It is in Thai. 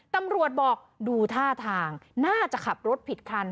ตำรวจบอกดูท่าทางน่าจะขับรถผิดคัน